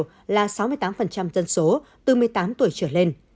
tỷ lệ bao phủ ít nhất một liều là sáu mươi tám dân số từ một mươi tám tuổi trở lên